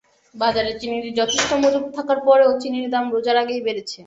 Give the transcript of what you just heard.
বাজারে চিনির যথেষ্ট মজুত থাকারও পরও চিনির দাম রোজার আগেই বেড়েছে।